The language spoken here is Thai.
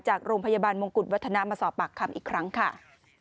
จากโรงพยาบาลมงกุฎวัฒนามาสอบปากคำอีกครั้งค่ะ